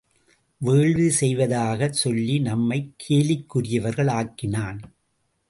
வேள்வி செய்வதாகச் சொல்லி நம்மைக் கேலிக்குரியவர்கள் ஆக்கினான்.